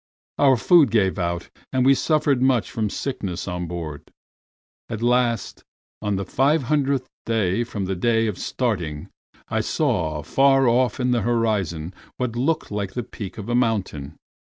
Our food gave out, and we suffered much from sickness on board. At last, on the five hundredth day from the day of starting, I saw far off on the horizon what looked like the peak of a mountain.